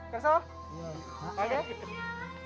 kepala apa ini